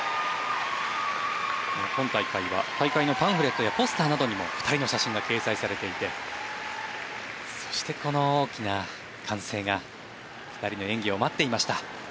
今大会は大会のパンフレットやポスターなどにも２人の写真が掲載されていてそして、この大きな歓声が２人の演技を待っていました。